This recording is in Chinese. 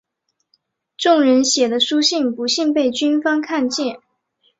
众人写的书信不幸被军方看见。